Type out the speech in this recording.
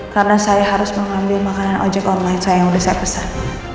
karena saya harus mengambil makanan ojek online saya yang udah saya pesan